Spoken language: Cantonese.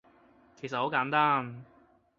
其實好簡單